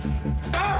kamu juga gak tahu